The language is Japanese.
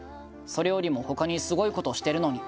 それよりもほかにすごいことしてるのに。